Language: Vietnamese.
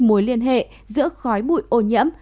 mối liên hệ giữa khói bụi ô nhiễm